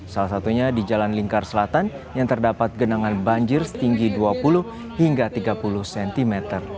salah satunya di jalan lingkar selatan yang terdapat genangan banjir setinggi dua puluh hingga tiga puluh cm